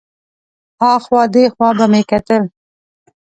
ها خوا دې خوا به مې کتل.